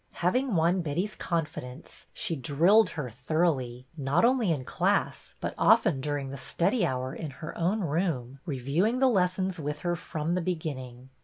Having won Betty's confidence she drilled her thoroughly, not only in class, but often during the study hour in her own room, reviewing the lessons with her from the beginning.